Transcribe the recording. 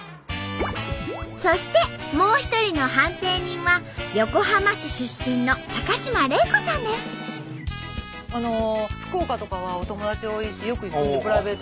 そしてもう一人の判定人は横浜市出身の福岡とかはお友達多いしよく行くんでプライベートでも。